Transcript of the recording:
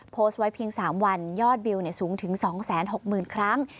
โพสต์ไว้เพียง๓วันยอดวิวสูงถึง๒๖๐๐๐ครั้ง